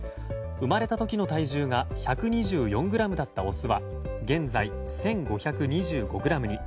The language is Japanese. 生まれた時の体重が１２４ｇだったオスは現在１５２５ｇに。